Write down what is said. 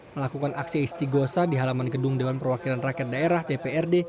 melakukan aksi istiqosa di halaman gedung dewan perwakilan rakyat daerah dprd